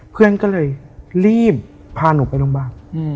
เพื่อนก็เลยรีบพาหนูไปลงบ้าน